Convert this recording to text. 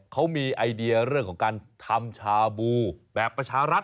เขามีไอเดียเรื่องของการทำชาบูแบบประชารัฐ